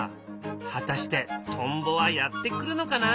果たしてトンボはやって来るのかな。